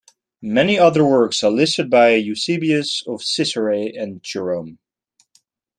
Many other works are listed by Eusebius of Caesarea and Jerome.